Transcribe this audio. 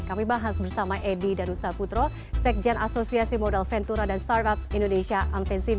kami bahas bersama edy dan usaputro sekjen asosiasi modal ventura dan start up indonesia amfensi